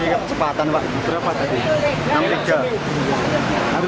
kecepatan maksimal empat puluh